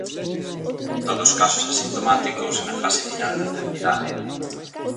Todos casos asintomáticos e na fase final da enfermidade.